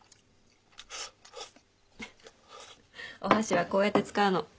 お箸はこうやって使うの。